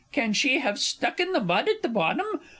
Can she have stuck in the mud at the bottom?